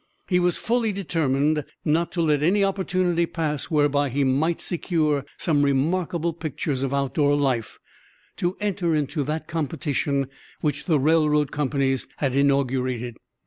He was fully determined not to let any opportunity pass whereby he might secure some remarkable pictures of outdoor life to enter in that competition which the railroad companies had inaugurated.